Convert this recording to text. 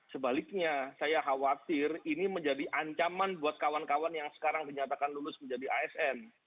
sebaliknya saya khawatir ini menjadi ancaman buat kawan kawan yang sekarang dinyatakan lulus menjadi asn